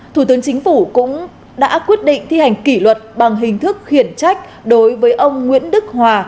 thủ tướng chính phủ cũng đã quyết định thi hành kỷ luật bằng hình thức khiển trách đối với ông nguyễn đức hòa